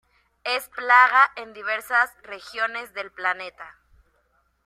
Es plaga en diversas regiones del planeta.